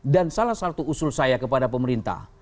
dan salah satu usul saya kepada pemerintah